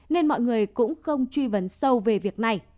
nên mọi người cũng không truy vấn sâu về việc này